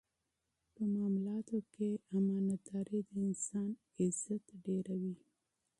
په معاملاتو کې امانتداري د انسان عزت ډېروي.